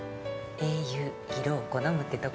英雄色を好むってとこ？